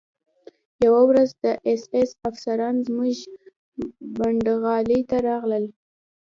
یوه ورځ د اېس ایس افسران زموږ پنډغالي ته راغلل